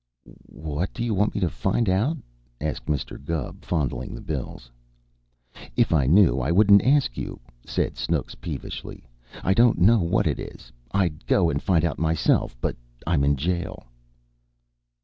"What do you want me to find out?" asked Mr. Gubb, fondling the bills. "If I knew, I wouldn't ask you," said Snooks peevishly. "I don't know what it is. I'd go and find out myself, but I'm in jail."